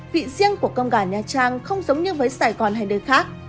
vị riêng của con gà nha trang không giống như với sài gòn hay nơi khác